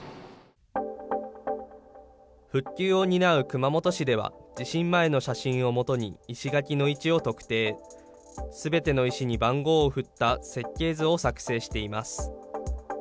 復旧を担う熊本市では、地震前の写真をもとに、石垣の位置を特定、すべての石に番号を振った設計図を作成しています。